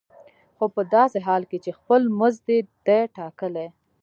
خو په داسې حال کې چې خپل مزد دې دی ټاکلی.